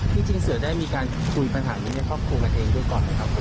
จริงเสือได้มีการคุยปัญหานี้ในครอบครัวกันเองด้วยก่อนไหมครับ